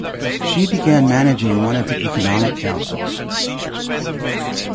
She began managing one of the Economic Councils.